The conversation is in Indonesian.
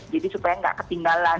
jadi supaya enggak ketinggalan